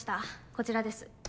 こちらです。